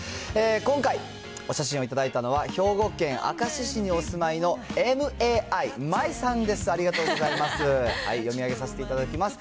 今回、お写真を頂いたのは、兵庫県明石市にお住まいのＭＡＩ、マイさんです、ありがとうございます。